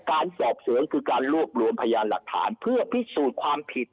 การสอบสวนคือการรวบรวมพยานหลักฐานเพื่อพิสูจน์ความผิด